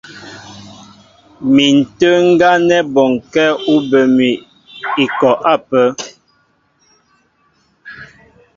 Mi ǹtə́ə́ ŋgá nɛ́ bɔnkɛ́ ú bə mi ikɔ ápə́.